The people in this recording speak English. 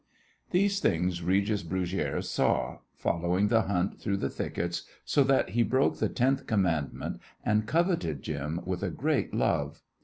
These things Regis Brugiere saw, following the hunt through the thickets, so that he broke the tenth commandment and coveted Jim with a great love.